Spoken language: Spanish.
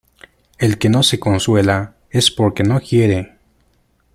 El que no se consuela es por que no quiere.